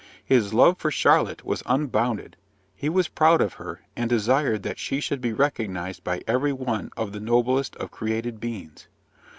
His love for Charlotte was unbounded: he was proud of her, and desired that she should be recognised by every one as the noblest of created beings.